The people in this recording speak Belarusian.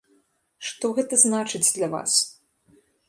Што гэта значыць для вас?